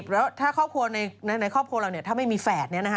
แล้วในครอบครัวเราเนี่ยถ้าไม่มีแฝดเนี่ยนะฮะ